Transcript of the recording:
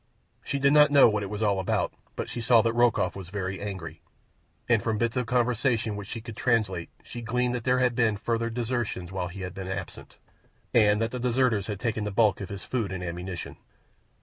She did not know what it was all about, but she saw that Rokoff was very angry, and from bits of conversation which she could translate she gleaned that there had been further desertions while he had been absent, and that the deserters had taken the bulk of his food and ammunition.